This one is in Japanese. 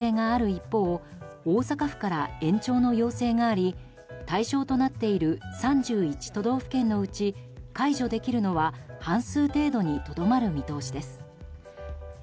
現時点で佐賀県から解除の要請がある一方大阪府から延長の要請があり対象となっている３１都道府県のうち解除できるのは半数程度にとどまる見通しです。